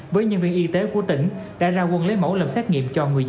với nhân viên y tế của tỉnh đã ra quân lấy mẫu làm xét nghiệm cho người dân